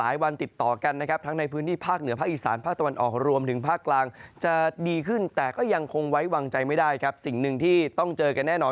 ยังไหวจะยังไหวไม่ได้ครับสิ่งหนึ่งที่ต้องเจอกันแน่นอน